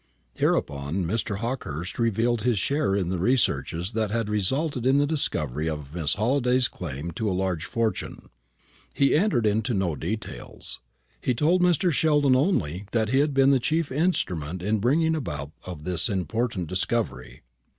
Hereupon Mr. Hawkehurst revealed his share in the researches that had resulted in the discovery of Miss Halliday's claim to a large fortune. He entered into no details. He told Mr. Sheldon only that he had been the chief instrument in the bringing about of this important discovery.